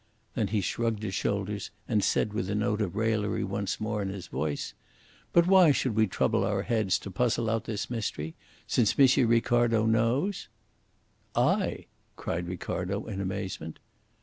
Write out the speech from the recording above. Then he shrugged his shoulders and said with the note of raillery once more in his voice: "But why should we trouble our heads to puzzle out this mystery, since M. Ricardo knows?" "I?" cried Ricardo in amazement.